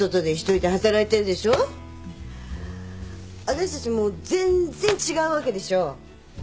私たちもう全然違うわけでしょ。